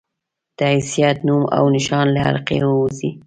د حيثيت، نوم او نښان له حلقې ووځي